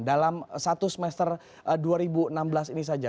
dalam satu semester dua ribu enam belas ini saja